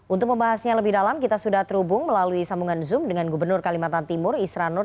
untuk membahasnya lebih dalam kita sudah terhubung melalui sambungan zoom dengan gubernur kalimantan timur isra nur